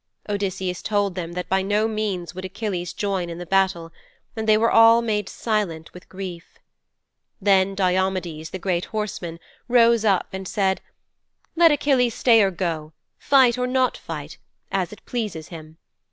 Odysseus told them that by no means would Achilles join in the battle, and they all were made silent with grief. Then Diomedes, the great horseman, rose up and said, "Let Achilles stay or go, fight or not fight, as it pleases him.